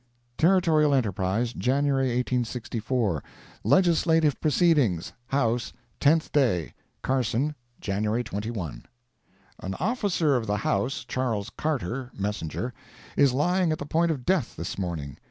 Territorial Enterprise, January, 1864 LEGISLATIVE PROCEEDINGS HOUSE—TENTH DAY Carson, January 21 An officer of the House—Charles Carter, Messenger—is lying at the point of death this morning.